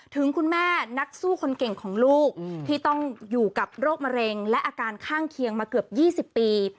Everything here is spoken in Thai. ถึงคุณแม่นักสู้คนเก่งของลูกที่ต้องอยู่กับโรคมะเร็งและอาการข้างเคียงมาเกือบ๒๐ปี